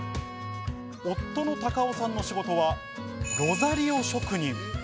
夫の孝雄さんの仕事はロザリオ職人。